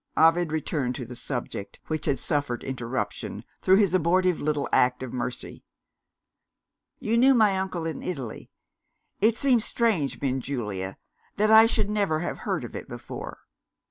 Ovid returned to the subject, which had suffered interruption through his abortive little act of mercy. "You knew my uncle in Italy. It seems strange, Benjulia, that I should never have heard of it before."